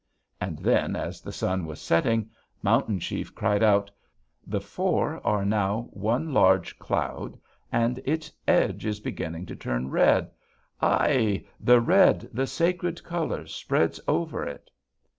"And then, as the sun was setting, Mountain Chief cried out: 'The four are now one large cloud, and its edge is beginning to turn red! Ai! The red, the sacred color, spreads over it!'